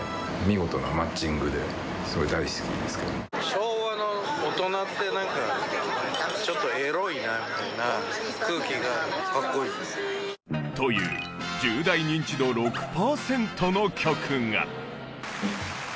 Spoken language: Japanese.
昭和の大人ってなんかちょっとエロいなみたいな空気が。という１０代ニンチド６パーセントの曲が。